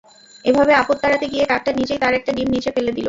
এভাবে আপদ তাড়াতে গিয়ে কাকটা নিজেই তার একটা ডিম নিচে ফেলে দিল।